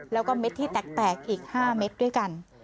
แล้วก็เม็ดที่แตกอีก๕เม็ดด้วยกัน